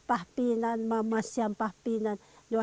betul kalau datang sampai